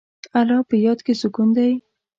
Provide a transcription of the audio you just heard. د الله په یاد کې سکون دی.